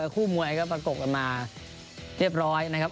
คู่มวยก็ประกบกันมาเรียบร้อยนะครับ